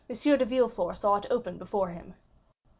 de Villefort saw it open before him.